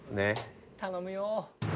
頼むよ。